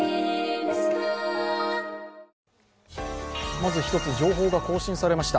まず一つ情報が更新されました。